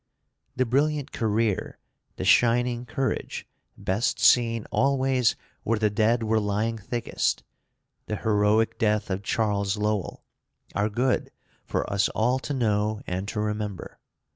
The brilliant career, the shining courage, best seen always where the dead were lying thickest, the heroic death of Charles Lowell, are good for us all to know and to remember.